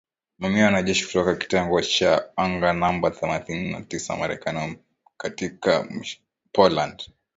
Mamia ya wanajeshi kutoka kitengo cha anga namba themanini na mbili cha Marekani ,wamepelekwa katika milima ya msituni ya mashariki mwa Poland